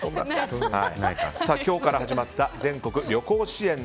今日から始まった全国旅行支援。